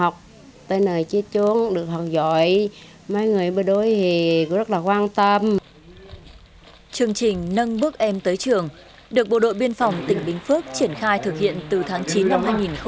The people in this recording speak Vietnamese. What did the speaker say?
chương trình nâng bước em tới trường được bộ đội biên phòng tỉnh bình phước triển khai thực hiện từ tháng chín năm hai nghìn một mươi tám